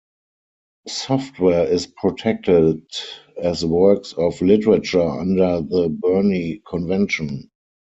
Software is protected as works of literature under the Berne Convention.